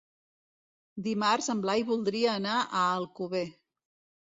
Dimarts en Blai voldria anar a Alcover.